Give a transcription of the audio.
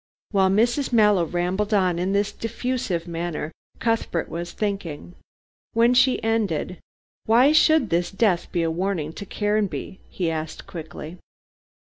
While Mrs. Mallow rambled on in this diffusive manner, Cuthbert was thinking. When she ended, "Why should this death be a warning to Caranby?" he asked quickly.